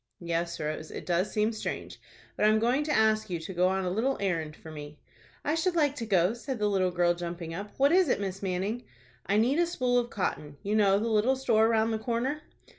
"Yes, Rose, it does seem strange. But I am going to ask you to go on a little errand for me." "I should like to go," said the little girl, jumping up. "What is it, Miss Manning?" "I need a spool of cotton. You know the little store round the corner."